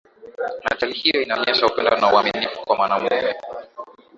ajali hiyo inaonyesha upendo na uaminifu kwa mwanaume